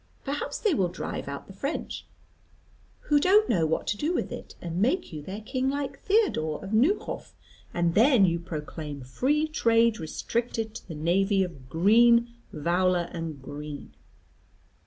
Perhaps they will drive out the French, who don't know what to do with it, and make you their king like Theodore of Neuhoff; and then you proclaim free trade restricted to the navy of Green, Vowler, and Green.